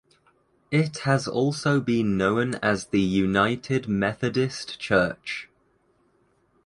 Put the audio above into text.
It has also been known as the United Methodist Church.